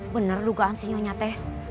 bener dugaan sinyonya teh